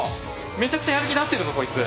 めちゃくちゃやる気出してるぞこいつ。